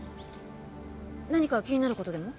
何か気になる事でも？